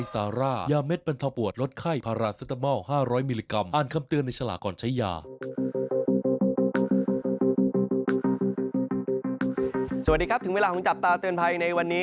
สวัสดีครับถึงเวลาของจับตาเตือนภัยในวันนี้